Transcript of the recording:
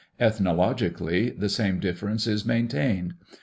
Ethnologically the same difference is maintained.